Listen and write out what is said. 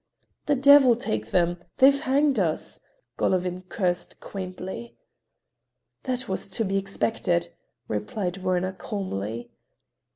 "The devil take them; they've hanged us," Golovin cursed quaintly. "That was to be expected," replied Werner calmly.